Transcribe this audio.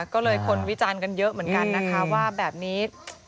ก็เลยคนวิจารณ์กันเยอะเหมือนกันนะคะว่าแบบนี้